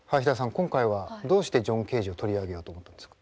今回はどうしてジョン・ケージを取り上げようと思ったんですか？